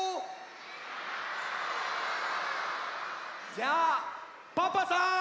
じゃあパパさん！